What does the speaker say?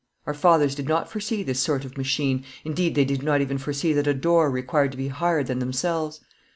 Our fathers did not foresee this sort of machine, indeed they did not even foresee that a door required to be higher than themselves.